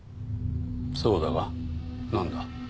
そうだがなんだ？